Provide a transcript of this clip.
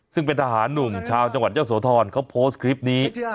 ซึ่งเป็นทหารหนุ่มชาวจังหวัดเยอะโสธรเขาโพสต์คลิปนี้